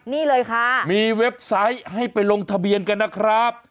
นี่เลยค่ะมีเว็บไซต์ให้ไปลงทะเบียนกันนะครับ